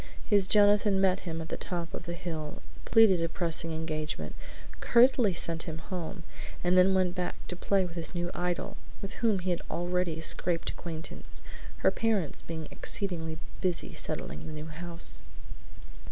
His Jonathan met him at the top of the hill, pleaded a pressing engagement, curtly sent him home, and then went back to play with his new idol, with whom he had already scraped acquaintance, her parents being exceedingly busy settling the new house.